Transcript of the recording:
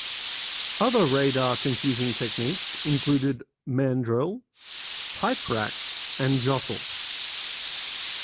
Other radar-confusing techniques included Mandrel, Piperack and Jostle.